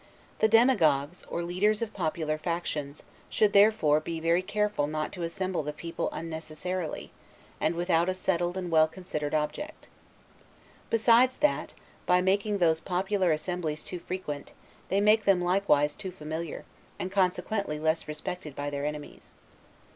The demagogues, or leaders of popular factions, should therefore be very careful not to assemble the people unnecessarily, and without a settled and well considered object. Besides that, by making those popular assemblies too frequent, they make them likewise too familiar, and consequently less respected by their enemies.